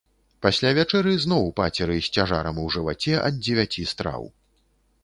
Пасля вячэры зноў пацеры з цяжарам у жываце ад дзевяці страў.